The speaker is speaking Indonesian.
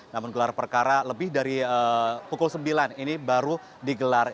namun gelar perkara lebih dari pukul sembilan ini baru digelar